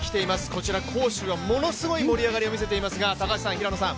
こちら杭州はものすごい盛り上がりを見せていますが高橋さん、平野さん